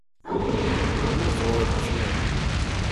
Lluẓeɣ ur ččiɣ.